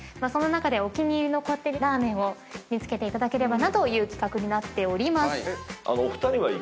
その中でお気に入りのこってりラーメンを見つけていただければなという企画になっております。